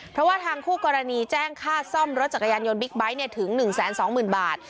เพราะว่าทางคู่กรณีแจ้งค่าซ่อมรถจักรยานยนตบิ๊กไบท์ถึง๑๒๐๐๐บาท